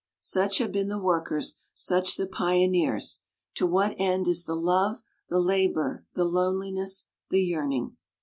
Such have been the workers, such the pio neers. To what, end is the love, the labor the loneliness, the yearning?